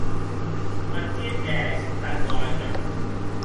Per qué ès tan mòja?